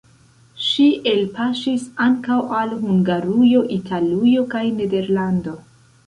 Ŝi elpaŝis ankaŭ al Hungarujo, Italujo kaj Nederlando.